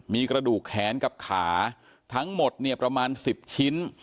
มีกระดูกแขนกับขาทั้งหมดเนี่ยประมาณ๑๐ชิ้น